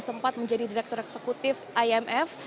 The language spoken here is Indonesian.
sempat menjadi direktur eksekutif imf